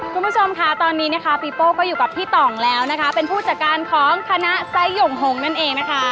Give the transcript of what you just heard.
คุณผู้ชมค่ะตอนนี้นะคะปีโป้ก็อยู่กับพี่ต่องแล้วนะคะเป็นผู้จัดการของคณะไซส์หย่งหงนั่นเองนะคะ